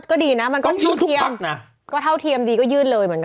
ก็ดีน่ะมันก็ต้องยื่นทุกภักดิ์น่ะก็เท่าเทียมดีก็ยื่นเลยเหมือนกัน